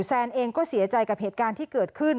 แซนเองก็เสียใจกับเหตุการณ์ที่เกิดขึ้น